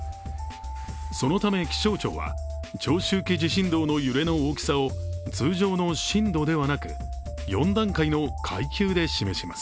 そのため気象庁は、長周期地震動の揺れの大きさを通常の震度ではなく４段階の階級で示します。